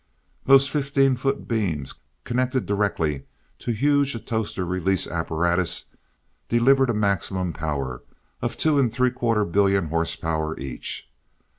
Those fifteen foot beams, connected directly to huge atostor release apparatus, delivered a maximum power of two and three quarter billion horsepower, each.